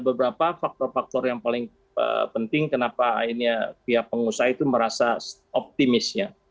beberapa faktor faktor yang paling penting kenapa akhirnya pihak pengusaha itu merasa optimisnya